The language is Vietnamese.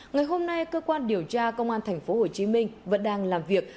ngày hôm nay cơ quan điều tra công an tp hcm vẫn đang làm việc